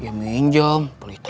ya minjem pelitah